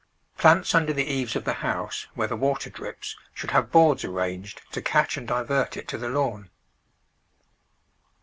Plants under the eaves of the house, where the water drips, should have boards arranged to catch and divert it to the lawn.